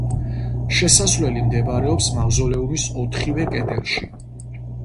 შესასვლელი მდებარეობს მავზოლეუმის ოთხივე კედელში.